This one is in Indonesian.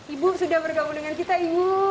ibu sudah bergabung dengan kita ibu